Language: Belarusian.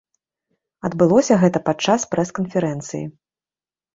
Адбылося гэта падчас прэс-канферэнцыі.